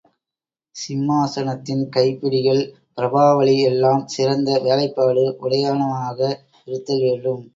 சிம்மாசனத்தின் கைபிடிகள், பிரபாவலி எல்லாம் சிறந்த வேலைப்பாடு உடையனவாக இருத்தல் வேண்டும்.